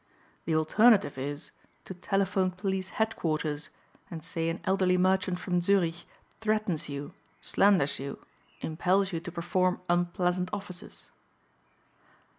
The alternative is to telephone police headquarters and say an elderly merchant from Zurich threatens you, slanders you, impels you to perform unpleasant offices."